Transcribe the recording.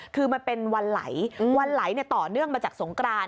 คือมันเป็นวันไหลวันไหลต่อเนื่องมาจากสงกราน